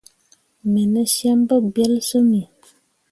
Me ne cem pu gbelsyimmi.